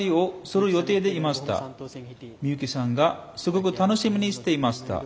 ミユキさんがすごく楽しみにしていました。